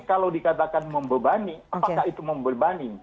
apakah itu akan membebani apakah itu membebani